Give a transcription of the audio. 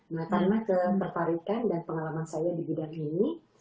karena kemamparikan dan pengalaman saya di bidang ini